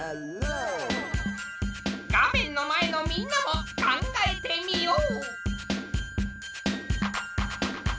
画面の前のみんなも考えてみよう！